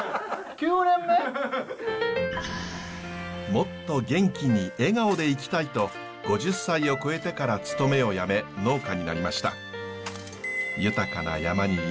もっと元気に笑顔で生きたいと５０歳を超えてから勤めを辞め農家になりました。